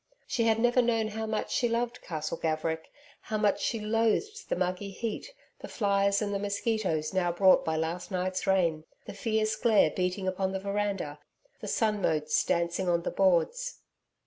She had never known how much she loved Castle Gaverick... how much she loathed the muggy heat, the flies and the mosquitoes now brought by last night's rain, the fierce glare beating upon the veranda, the sun motes dancing on the boards....